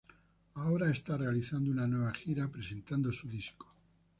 Ahora están realizando una nueva gira presentando su disco.